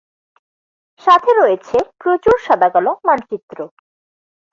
সাথে রয়েছে প্রচুর সাদাকালো মানচিত্র।